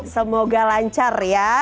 semoga lancar ya